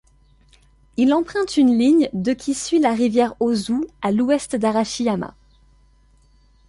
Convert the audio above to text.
Il emprunte une ligne de qui suit la rivière Hozu à l'ouest d'Arashiyama.